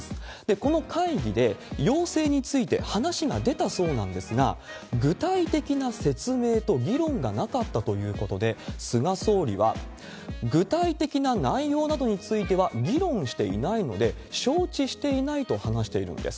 この会議で要請について話が出たそうなんですが、具体的な説明と議論がなかったということで、菅総理は、具体的な内容などについては議論していないので、承知していないと話しているんです。